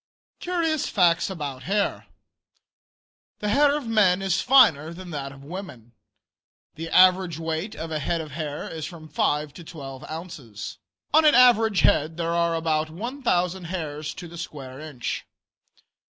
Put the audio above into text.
CURIOUS FACTS ABOUT HAIR. The hair of men is finer than that of women. The average weight of a head of hair is from 5 to 12 ounces. On an average head there are about 1,000 hairs to the square inch.